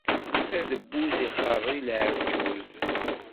Adebbuz ixeṛṛi leɛǧuz.